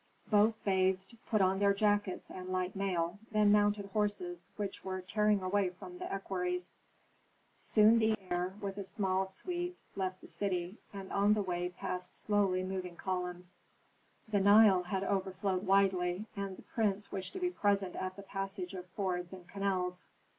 Both bathed, put on their jackets and light mail, then mounted horses, which were tearing away from the equerries. Soon the heir, with a small suite, left the city, and on the way passed slowly moving columns. The Nile had overflowed widely, and the prince wished to be present at the passage of fords and canals.